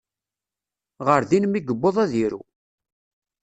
Ɣer din mi yewweḍ ad iru.